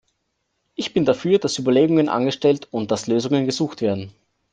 Ich bin dafür, dass Überlegungen angestellt und dass Lösungen gesucht werden.